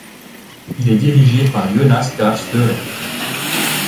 Il est dirigé par Jonas Gahr Støre.